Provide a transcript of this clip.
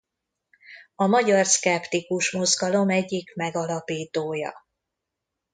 A magyar szkeptikus mozgalom egyik megalapítója.